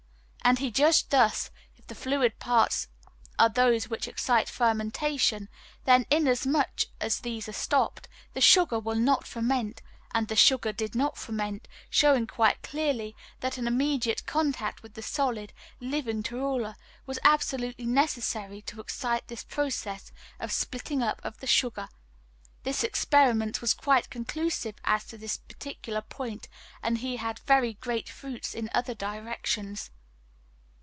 And he judged thus: if the fluid parts are those which excite fermentation, then, inasmuch as these are stopped, the sugar will not ferment; and the sugar did not ferment, showing quite clearly, that an immediate contact with the solid, living torula was absolutely necessary to excite this process of splitting up of the sugar. This experiment was quite conclusive as to this particular point, and has had very great fruits in other directions.